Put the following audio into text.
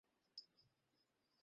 কেউ বলেন, গাছটি ছিল আঙুরের।